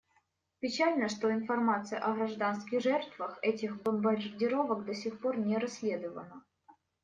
Печально, что информация о гражданских жертвах этих бомбардировок до сих пор не расследована.